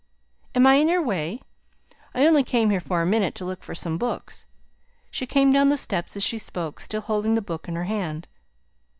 "Am I in your way? I only came here for a minute to look for some books." She came down the steps as she spoke, still holding the book in her hand.